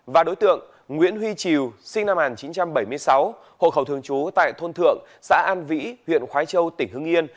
và đối tượng nguyễn huy triều sinh năm một nghìn chín trăm bảy mươi sáu hộ khẩu thường trú tại thôn thượng xã an vĩ huyện khói châu tỉnh hưng yên